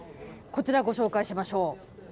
こちらご紹介しましょう。